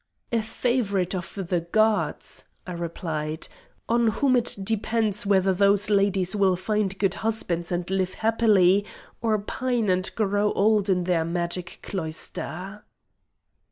"A favourite of the gods," I replied, "on whom it depends whether those ladies will find good husbands and live happily, or pine and grow old in their magic cloister."